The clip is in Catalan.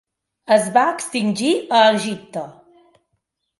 Es va extingir a Egipte.